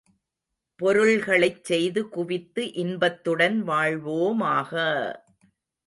பொருள்களைச் செய்து குவித்து இன்பத்துடன் வாழ்வோமாக!